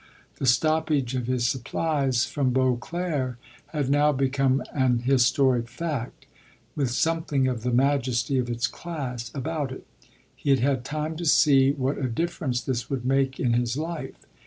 The stoppage of his supplies from Beauclere had now become an historic fact, with something of the majesty of its class about it: he had had time to see what a difference this would make in his life.